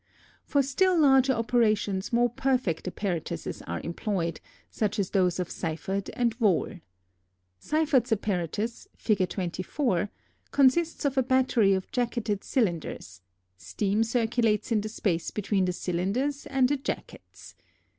For still larger operations more perfect apparatuses are employed, such as those of Seiffert and Vohl. Seiffert's apparatus (Fig. 24) consists of a battery of jacketed cylinders; steam circulates in the space between the cylinders and the jackets.